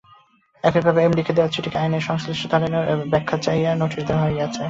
একইভাবে এমডিকে দেওয়া চিঠিতে আইনের সংশ্লিষ্ট ধারায় ব্যাখ্যা চেয়ে নোটিশ দেওয়া হয়েছে।